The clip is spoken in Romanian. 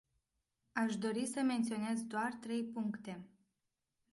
Aș dori să menționez doar trei puncte.